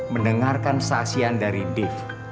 mendengarkan saksian dari dev